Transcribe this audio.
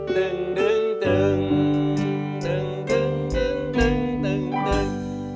ดึงดึงดึงดึงดึงดึงดึงดึงดึง